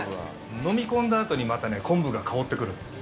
飲み込んだあとに、またね昆布が香ってくるの。